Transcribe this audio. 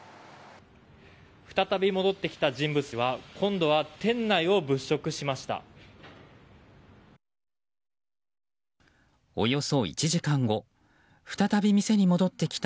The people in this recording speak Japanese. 再び戻ってきた人物は今度は店内を物色しました。